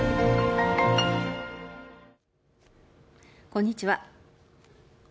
こんにちは。